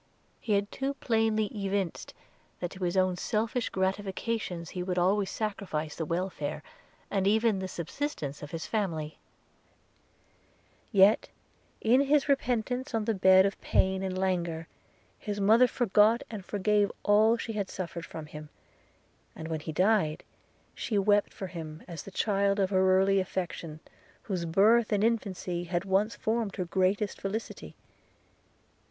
He had too plainly evinced, that to his own selfish gratifications he would always sacrifice the welfare, and even the subsistence of his family; yet, in his repentance on the bed of pain and languor, his mother forgot and forgave all she had suffered from him; and when he died, she wept for him as the child of her early affection, whose birth and infancy had once formed her greatest felicity.